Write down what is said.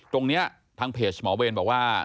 ตรงเนี่ยทางเพจหมอเบนแบบว่า